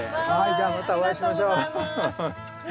じゃあまたお会いしましょう。